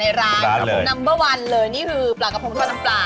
ดีสุดนะนัมเบอร์วันเป็นปลากระพงของทอดน้ำปลา